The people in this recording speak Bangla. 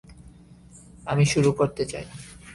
আমি শুরু করতে চাই!